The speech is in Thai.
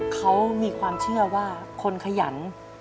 เขามีความเชื่อว่าคนขยัน